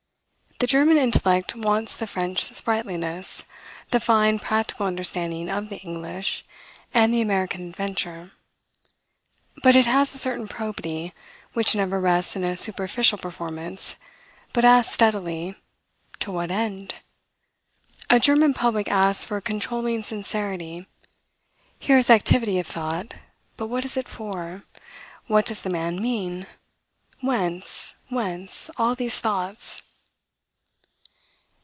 The German intellect wants the French sprightliness, the fine practical understanding of the English, and the American adventure; but it has a certain probity, which never rests in a superficial performance, but asks steadily, To what end? A German public asks for a controlling sincerity. Here is activity of thought; but what is it for? What does the man mean? Whence, whence, all these thoughts?